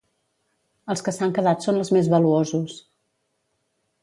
Els que s'han quedat són els més valuosos.